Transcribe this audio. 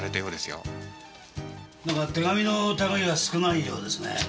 なんか手紙のたぐいは少ないようですね。